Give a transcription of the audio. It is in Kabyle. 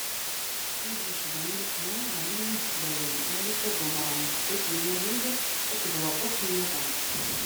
Wid yecban Uleḥlu, Ali Ideflawen, Malika Dumran, Zeddek Lmulud akked waṭas-nniḍen.